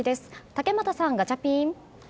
竹俣さん、ガチャピン！